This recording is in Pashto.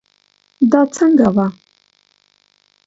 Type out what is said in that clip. دا څنګه وه